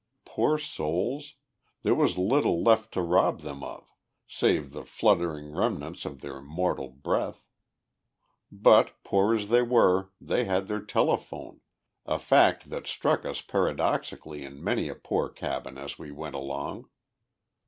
Poor souls! there was little left to rob them of, save the fluttering remnants of their mortal breath. But, poor as they were, they had their telephone, a fact that struck us paradoxically in many a poor cabin as we went along.